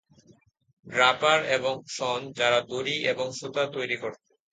ড্রাপার এবং সন যারা দড়ি এবং সুতা তৈরি করত।